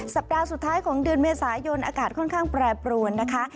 สัปดาห์สุดท้ายของเดือนเมษายนอากาศค่อนข้างแปรปรวนนะคะ